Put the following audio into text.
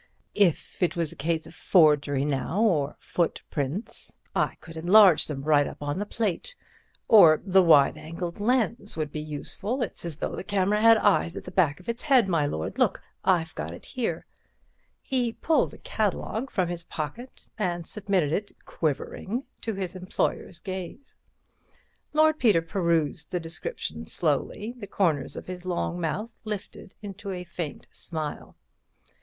"If it was a case of forgery now—or footprints—I could enlarge them right up on the plate. Or the wide angled lens would be useful. It's as though the camera had eyes at the back of its head, my lord. Look—I've got it here." He pulled a catalogue from his pocket, and submitted it, quivering, to his employer's gaze. Lord Peter perused the description slowly, the corners of his long mouth lifted into a faint smile.